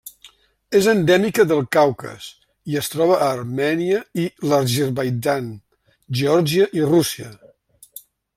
És endèmica del Caucas, i es troba a Armènia, l'Azerbaidjan, Geòrgia i Rússia.